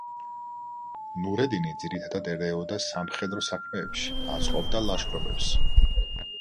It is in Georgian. ნურედინი ძირითადად ერეოდა სამხედრო საქმეებში, აწყობდა ლაშქრობებს.